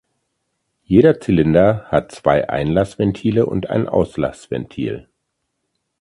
Jeder Zylinder hat zwei Einlassventile und ein Auslassventil.